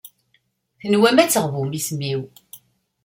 Tenwam ad teɣbum isem-iw.